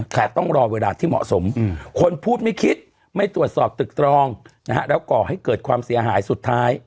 แต่ต้องรอเวลาที่เหมาะสมคนพูดไม่คิดไม่ตรวจสอบตึกตรองแล้วก่อให้เกิดความเสียหายสุดท้าย